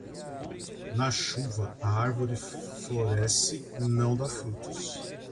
Na chuva, a árvore floresce, não dá frutos.